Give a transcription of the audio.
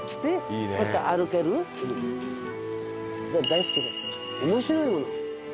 大好きです面白いもの。